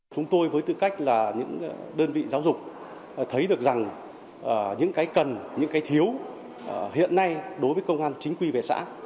chúng tôi với tư cách là những đơn vị giáo dục thấy được rằng những cái cần những cái thiếu hiện nay đối với công an chính quy về xã